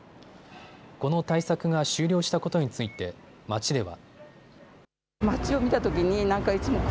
この対策が終了したことについて街では。